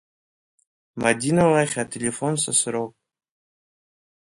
Мадина лахь ателефон сасроуп.